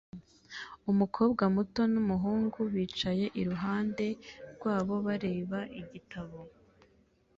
Umukobwa muto n'umuhungu bicaye iruhande rwabo bareba igitabo